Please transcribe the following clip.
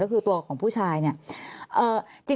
ก็คือตัวของผู้ชายเนี่ย